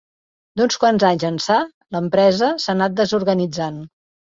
D'uns quants anys ençà, l'empresa s'ha anat desorganitzant.